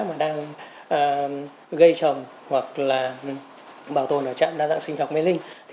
mà đang gây trồng hoặc là bảo tồn ở trạm đa dạng sinh học mê linh